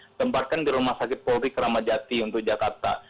sehingga ditempatkan di rumah sakit polri ramadjati untuk jakarta